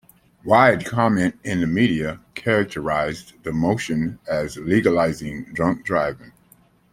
Wide comment in the media characterised the motion as legalising drunk driving.